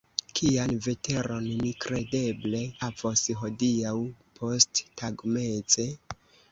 Kian veteron ni kredeble havos hodiaŭ posttagmeze?